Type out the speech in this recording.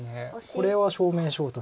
これは正面衝突。